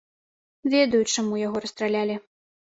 Ведаю, чаму яго расстралялі.